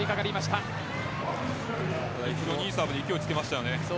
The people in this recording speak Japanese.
ただ、いいサーブで勢いをつけましたよね。